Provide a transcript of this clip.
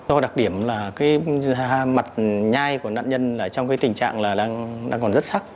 do đặc điểm là mặt nhai của nạn nhân trong tình trạng đang còn rất sắc